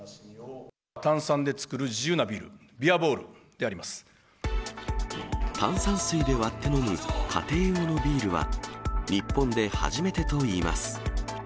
炭酸で作る自由なビール、炭酸水で割って飲む家庭用のビールは、日本で初めてといいます。